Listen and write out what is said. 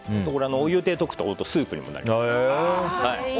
お湯で溶くとスープにもなります。